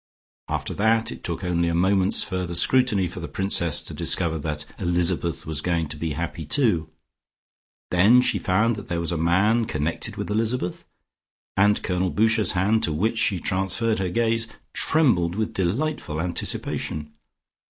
After that it took only a moment's further scrutiny for the Princess to discover that Elizabeth was going to be happy too. Then she found that there was a man connected with Elizabeth, and Colonel Boucher's hand, to which she transferred her gaze, trembled with delightful anticipation.